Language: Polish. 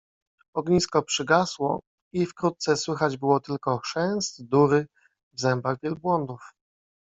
Ognisko przygasło i wkrótce słychać było tylko chrzęst durry w zębach wielbłądów.